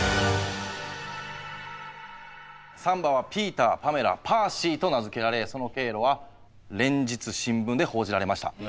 ３羽はピーターパメラパーシーと名付けられその経路は連日新聞で報じられました。